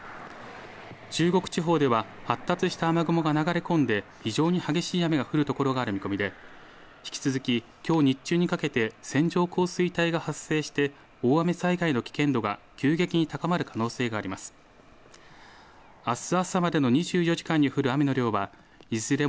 中国地方では発達した雨雲が流れ込んで非常に激しい雨が降る所がある見込みで、引き続ききょう日中にかけて線状降水帯が発生して大雨災害の危険度が急激に高まる可能性があります。